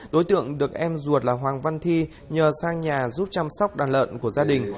đối tượng được em ruột là hoàng văn thi nhờ sang nhà giúp chăm sóc đàn lợn của gia đình